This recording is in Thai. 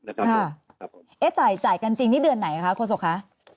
เอ๊ะจ่ายกันจริงนี่เดือนไหนคะโฆษกคะ